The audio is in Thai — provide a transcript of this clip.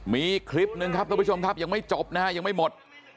มีคลิปหนึ่งครับทุกผู้ชมครับยังไม่จบนะฮะยังไม่หมด